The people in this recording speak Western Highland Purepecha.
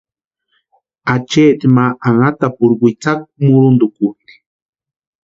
Achaati ma anhatapurhu witsakwa muruntukutʼi.